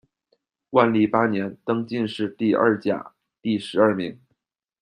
万历八年，登进士第二甲第十二名。